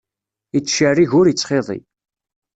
Ittcerrig ur ittxiḍi.